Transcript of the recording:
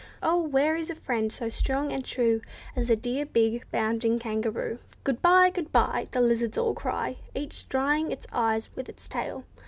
Oh! where is a friend so strong and true As a dear big, bounding kangaroo? "Good bye! Good bye!" The lizards all cry, Each drying its eyes with its tail.